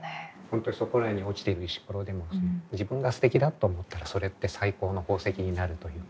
本当そこらに落ちてる石ころでも自分がすてきだと思ったらそれって最高の宝石になるという。